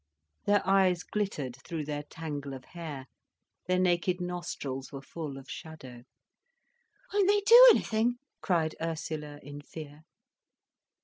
Their eyes glittered through their tangle of hair, their naked nostrils were full of shadow. "Won't they do anything?" cried Ursula in fear.